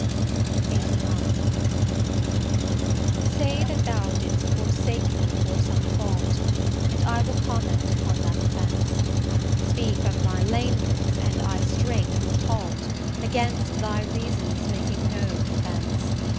LXXXIX Say that thou didst forsake me for some fault, And I will comment upon that offence: Speak of my lameness, and I straight will halt, Against thy reasons making no defence.